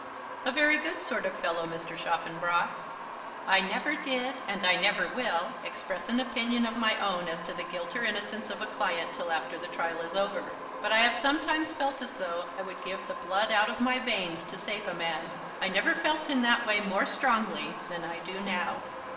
"A very good sort of fellow, Mr. Chaffanbrass." "I never did, and I never will, express an opinion of my own as to the guilt or innocence of a client till after the trial is over. But I have sometimes felt as though I would give the blood out of my veins to save a man. I never felt in that way more strongly than I do now."